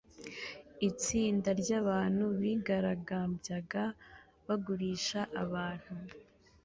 Itsinda ryabantu bigaragambyaga bagurisha abantu